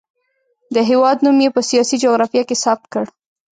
د هېواد نوم یې په سیاسي جغرافیه کې ثبت کړ.